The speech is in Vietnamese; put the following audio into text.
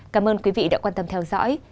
cảm ơn quý vị đã quan tâm theo dõi